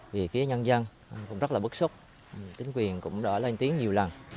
về phía nhân dân cũng rất là bức xúc tính quyền cũng đã lên tiếng nhiều lần